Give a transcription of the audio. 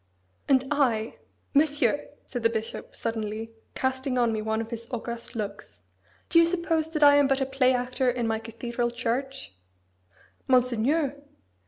"And I Monsieur!" said the bishop, suddenly, casting on me one of his august looks, "Do you suppose that I am but a play actor in my cathedral church?" "Monseigneur!"